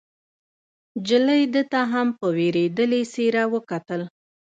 نجلۍ ده ته هم په وېرېدلې څېره وکتل.